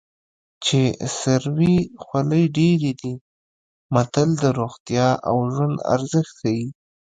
چې سر وي خولۍ ډېرې دي متل د روغتیا او ژوند ارزښت ښيي